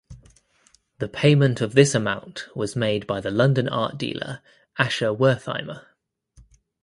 The payment of this amount was made by the London art dealer Asher Wertheimer.